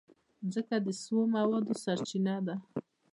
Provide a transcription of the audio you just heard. مځکه د سون موادو سرچینه ده.